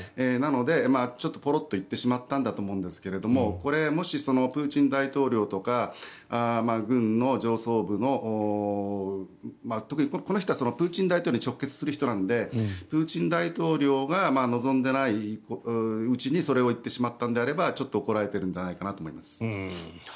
なので、ポロッと言ってしまったんだと思うんですがこれ、もし、プーチン大統領とか軍の上層部の特にこの人はプーチン大統領に直結する人なのでプーチン大統領が望んでいないうちにそれを言ってしまったのであればちょっと怒られているのではないかと思います。